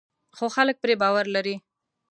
خو خلک پرې باور لري.